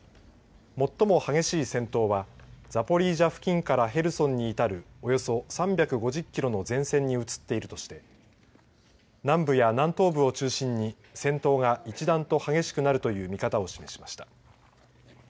最も激しい戦闘はザポリージャ付近からヘルソンに至るおよそ３５０キロの前線に移っているとして南部や南東部を中心に戦闘が一段と激しくなるという見方を示しました。